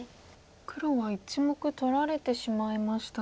黒は１目取られてしまいましたが。